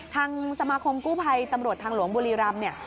ทางสมาคมกู้ภัยตำรวจทางหลวงบุรีรำเนี่ย